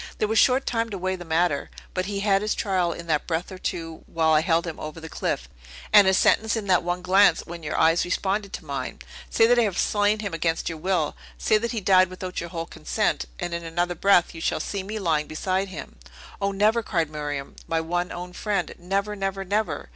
"There was short time to weigh the matter; but he had his trial in that breath or two while I held him over the cliff, and his sentence in that one glance, when your eyes responded to mine! Say that I have slain him against your will, say that he died without your whole consent, and, in another breath, you shall see me lying beside him." "O, never!" cried Miriam. "My one, own friend! Never, never, never!"